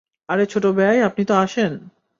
আরে ছোট বেয়াই, আপনি তো আসেন!